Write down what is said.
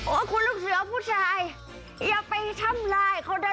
โอ้คุณลูกเสือผู้ชายอย่าไปทำร้ายเขานะ